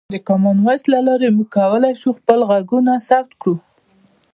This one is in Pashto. د کامن وایس له لارې موږ کولی شو خپل غږونه ثبت کړو.